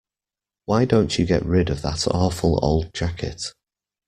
Why don't you get rid of that awful old jacket?